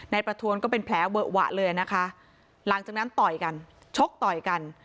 ประทวนก็เป็นแผลเวอะหวะเลยนะคะหลังจากนั้นต่อยกันชกต่อยกัน